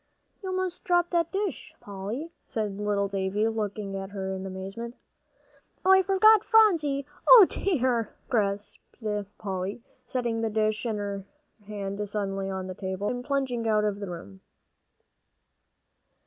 "You most dropped that dish, Polly," said little Davie, looking at her in amazement. "I forgot Phronsie O dear!" gasped Polly, setting the dish in her hand suddenly on the table, and plunging out of the room.